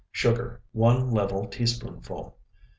Sugar, 1 level teaspoonful.